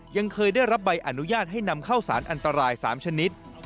ยังเคยได้รับใบอนุญาตให้นำเข้าสารอันตราย๓ชนิด